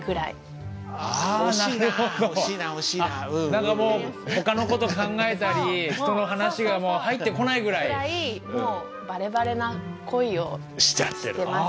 何かもうほかの事考えたり人の話が入ってこないぐらい。ぐらいもうバレバレな恋をしてます。